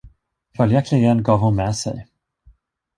Följaktligen gav hon med sig.